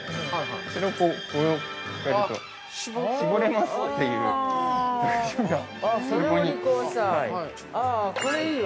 これをこうやると絞れますっていう特徴が。